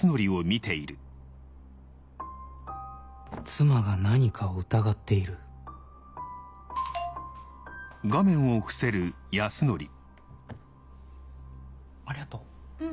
妻が何かを疑っているありがとう。